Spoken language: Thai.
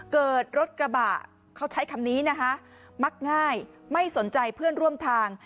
เกิดรถกระบะเขาใช้คำนี้นะคะมักง่ายไม่สนใจเพื่อนร่วมทาง